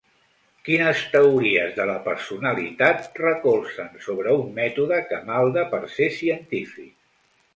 Quines teories de la personalitat recolzen sobre un mètode que malda per ser científic?